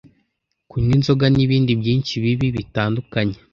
kunywa inzoga n’ibindi byinshi bibi bitandukanye